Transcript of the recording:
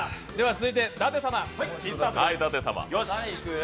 続いて舘様。